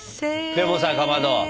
でもさかまど。